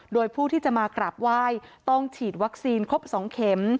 โดยผู้ที่จะมากราบไหว้ต้องฉีดวัคซีนครบ๒เข็ม